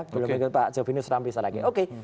belum mengikut pak jovinus rampi saragih oke